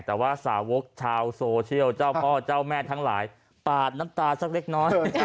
แต่ว่าสาวกชาวโซเชียลเจ้าพ่อเจ้าแม่ทั้งหลายปาดน้ำตาสักเล็กน้อย